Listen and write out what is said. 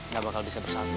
gak bakal bisa bersatu